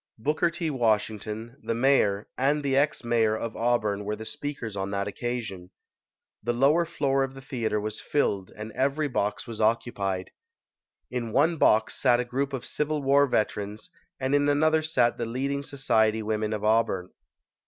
Booker T. Washington, the mayor and the ex mayor of Auburn were the speakers on that occasion. The lower floor of the theatre was filled and every box was occupied. In one box sat a group of Civil War veterans and in another sat the leading so ciety women of Auburn.